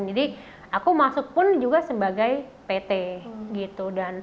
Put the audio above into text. jadi aku masuk pun juga sebagai pt gitu